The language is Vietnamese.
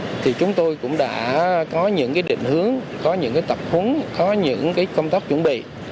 về phía ngành thì chúng tôi cũng đã có những cái định hướng có những cái tập huấn có những cái công tác chuẩn bị